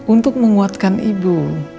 untuk menguatkan ibu